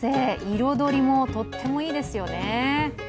彩りもとってもいいですよね。